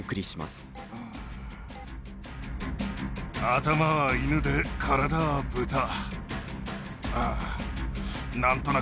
頭はイヌで、体はブタ。